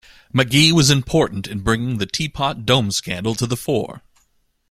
Magee was important in bringing the Teapot Dome Scandal to the fore.